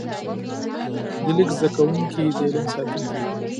د لیک زده کوونکي د علم ساتونکي وو.